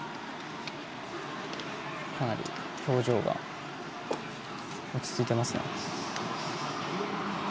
かなり表情落ち着いていますね。